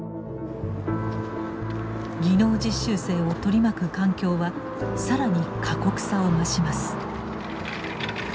技能実習生を取り巻く環境は更に過酷さを増します。